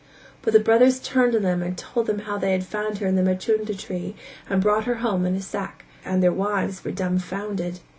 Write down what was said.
But the brothers turned on them and told how they had found her in the machunda tree and had brought her home in the sack, and their wives were dumbfounded.